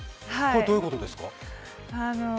どういうことですか？